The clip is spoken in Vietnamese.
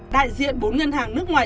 đại diện bốn ngân hàng nước ngoài